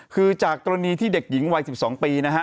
คือจากกรณีที่เด็กหญิงวัย๑๒ปีนะฮะ